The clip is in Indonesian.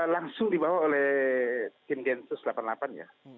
langsung dibawa oleh tim densus delapan puluh delapan ya